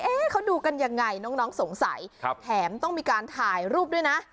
เขาดูกันยังไงน้องสงสัยแถมต้องมีการถ่ายรูปด้วยนะ